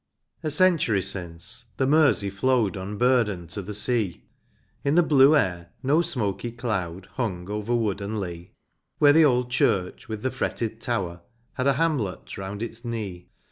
A CENTURY since the Mersey flowed Unburdened to the sea ; In the blue air no smoky cloud Hung over wood and lea, Where the old church with the fretted tower Had a hamlet round its knee.